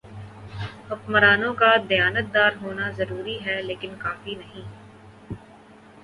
حکمرانوں کا دیانتدار ہونا ضروری ہے لیکن کافی نہیں۔